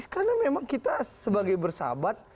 karena memang kita sebagai bersahabat